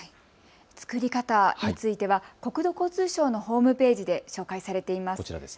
作り方については国土交通省のホームページで紹介されています。